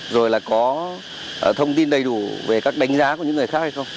rồi là có thông tin đầy đủ về các đánh giá của những người khác hay không